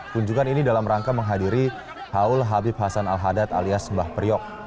kunjungan ini dalam rangka menghadiri haul habib hasan al hadad alias mbah priok